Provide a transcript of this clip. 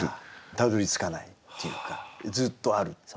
たどりつかないっていうかずっとあるっていう。